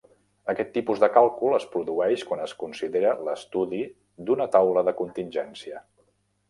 Aquest tipus de càlcul es produeix quan es considera l'estudi d'una taula de contingència.